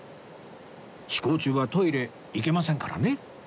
飛行中はトイレ行けませんからね